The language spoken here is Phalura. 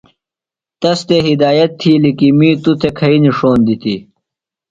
تس تھےۡ ہدایت تِھیلیۡ کی می توۡ تھےۡ کھئی نِݜوݨ دِتیۡ۔